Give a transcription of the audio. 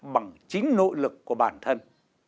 bằng chính nỗ lực của bản thân